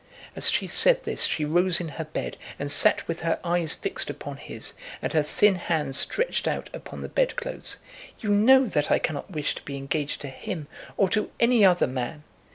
As she said this she rose in her bed, and sat with her eyes fixed upon his, and her thin hands stretched out upon the bedclothes. "You know that I cannot wish to be engaged to him or to any other man.